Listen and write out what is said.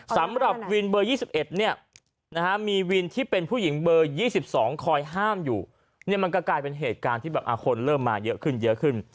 สำหรับวินเบอร์๒๑มีวินที่เป็นผู้หญิงเบอร์๒๒คอยห้ามอยู่มันก็กลายเป็นเหตุการณ์ที่คนเริ่มมาเยอะขึ้น